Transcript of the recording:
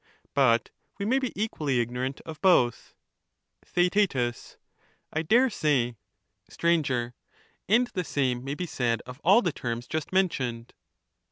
But we may be equally ignorant of both. TheaeL I dare say. Sir. And the same may be said of all the terms just mentioned.